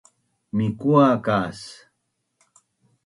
Mikua kas?